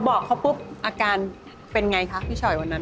บอกเขาปุ๊บอาการเป็นไงคะพี่ฉอยวันนั้น